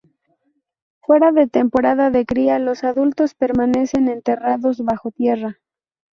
Fuera de temporada de cría los adultos permanecen enterrados bajo tierra.